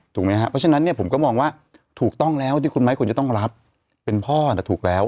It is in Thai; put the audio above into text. เพราะฉะนั้นเนี่ยผมก็มองว่าถูกต้องแล้วที่คุณไม้ควรจะต้องรับเป็นพ่อแต่ถูกแล้ว